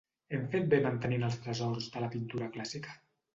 Hem fet bé mantenint els tresors de la pintura clàssica?